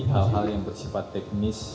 hal hal yang bersifat teknis